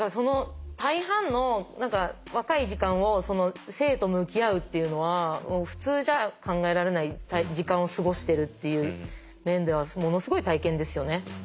大半の若い時間を生と向き合うっていうのは普通じゃ考えられない時間を過ごしてるっていう面ではものすごい体験ですよね。